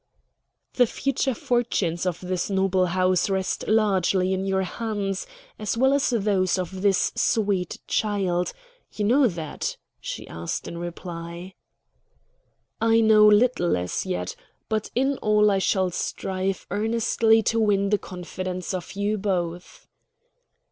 "The future fortunes of this noble house rest largely in your hands, as well as those of this sweet child. You know that?" she asked in reply. "I know little as yet; but in all I shall strive earnestly to win the confidence of you both."